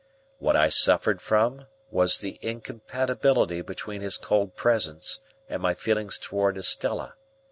What I suffered from, was the incompatibility between his cold presence and my feelings towards Estella.